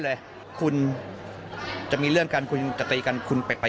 ถ้าการท่าเรือไม่ได้แชมป์จะทำยังไงมาขออนุญาตไปงานฉลองแชมป์แล้ว